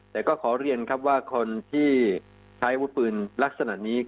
แต่ก็ขอเรียนครับว่าคนที่ใช้อาวุธปืนลักษณะนี้